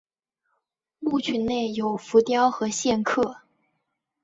墓群内有浮雕和线刻。